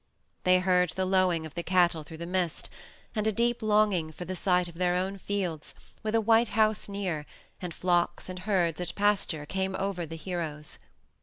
They heard the lowing of the cattle through the mist, and a deep longing for the sight of their own fields, with a white house near, and flocks and herds at pasture, came over the heroes.